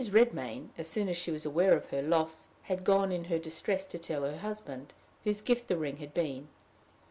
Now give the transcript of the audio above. Redmain, as soon as she was aware of her loss, had gone in her distress to tell her husband, whose gift the ring had been.